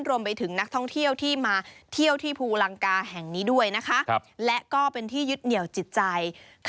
รวมไปถึงนักท่องเที่ยวที่มาเที่ยวที่ภูลังกาแห่งนี้ด้วย